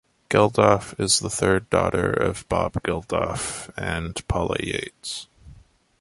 Geldof is the third daughter of Bob Geldof and Paula Yates.